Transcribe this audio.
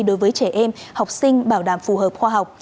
đối với trẻ em học sinh bảo đảm phù hợp khoa học